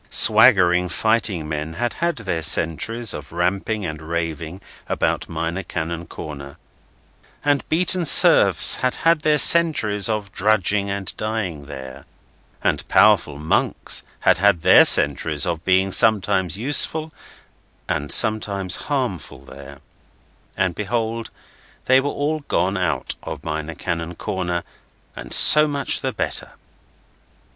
Swaggering fighting men had had their centuries of ramping and raving about Minor Canon Corner, and beaten serfs had had their centuries of drudging and dying there, and powerful monks had had their centuries of being sometimes useful and sometimes harmful there, and behold they were all gone out of Minor Canon Corner, and so much the better.